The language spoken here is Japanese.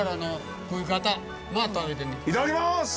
いただきます！